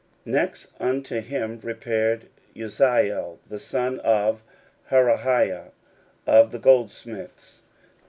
16:003:008 Next unto him repaired Uzziel the son of Harhaiah, of the goldsmiths.